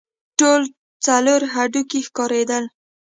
ټول څلور هډوکي ښکارېدل.